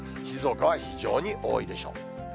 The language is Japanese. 静岡は非常に多いでしょう。